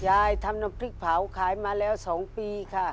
ยายทำน้ำพริกเผาขายมาแล้ว๒ปีค่ะ